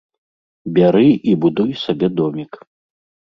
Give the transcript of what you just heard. Бяры і будуй сабе домік.